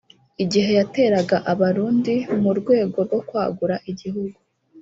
igihe yateraga Abarundi mu rwego rwo kwagura igihugu